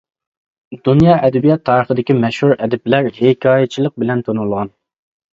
دۇنيا ئەدەبىيات تارىخىدىكى مەشھۇر ئەدىبلەر ھېكايىچىلىق بىلەن تونۇلغان.